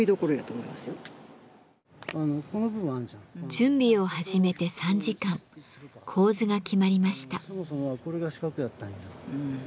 準備を始めて３時間構図が決まりました。